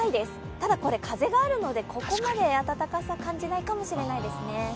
ただ、風があるのでここまで暖かさを感じないかもしれないですね。